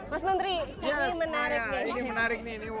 banyak tapi ini cuma harga yang terbaik untuk pemilu